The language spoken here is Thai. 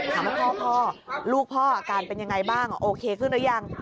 ถามว่าพ่อลูกพ่ออาการเป็นยังไงบ้างโอเคขึ้นหรือยัง